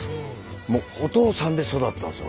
お父さんで育ったんですよ